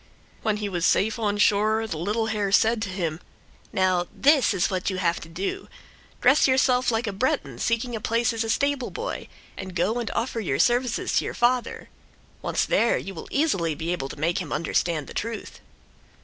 When he was safe on shore the little hare said to him: "Now, this is what you have to do: dress yourself like a Breton seeking a place as stableboy, and go and offer your services to your father. Once there, you will easily be able to make him understand the truth."